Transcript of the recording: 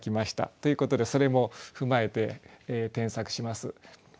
ということでそれも踏まえて添削します。